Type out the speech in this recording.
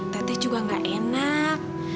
teh teh juga gak enak